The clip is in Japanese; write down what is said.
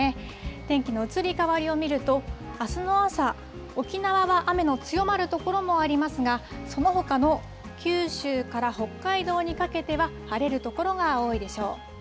天気の移り変わりを見ると、あすの朝、沖縄は雨の強まる所もありますが、そのほかの九州から北海道にかけては、晴れる所が多いでしょう。